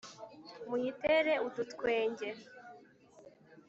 muyitere udutwenge